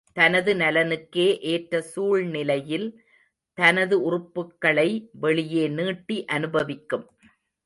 தனது நலனுக்கே ஏற்ற சூழ்நிலையில் தனது உறுப்புக்களை வெளியே நீட்டி அனுபவிக்கும்.